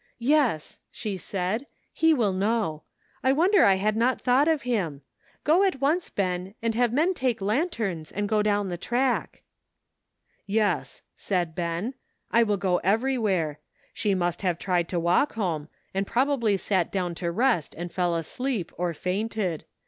" Yes," she said, "he will know. I wonder I had not thought of him. Go at once, Ben, and have men take lanterns and go down the track." "Yes," said Ben, "I will go everywhere. She must have tried to walk home, and proba bly sat down to rest and fell asleep, or fainted.